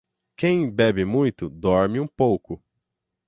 Quem bebe muito, dorme um pouco.